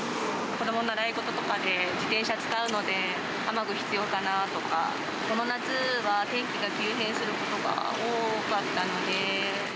子どもの習い事とかで、自転車使うので、雨具必要かなとか、この夏は天気が急変することが多かったので。